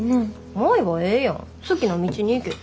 舞はええやん好きな道に行けて。